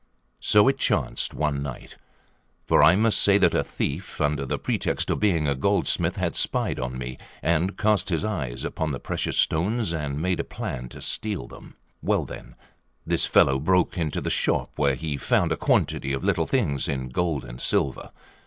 So it chanced one night: for I must say that a thief, under the pretext of being a goldsmith, had spied on me, and cast his eyes upon the precious stones, and made a plan to steal them. Well, then, this fellow broke into the shop, where he found a quantity of little things in gold and silver.